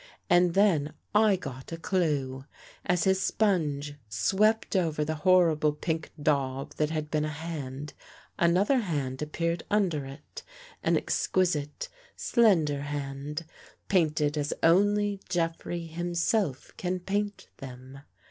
And then I got a clew. As his sponge swept over the horrible pink daub that had been a hand, another hand appeared under it — an exquisite, slender hand, painted as only Jeffrey himself can paint them.